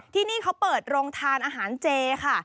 ที่นี่เขาเปิดโรงทานอาหารเจค่ะ